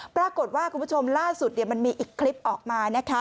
ปรากฏว่าคุณผู้ชมล่าสุดมันมีอีกคลิปออกมา